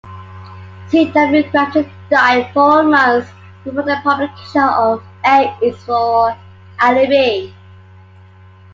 C. W. Grafton died four months before the publication of "A" Is for Alibi".